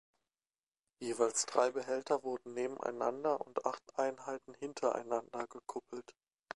Jeweils drei Behälter wurden nebeneinander und acht Einheiten hintereinander gekuppelt.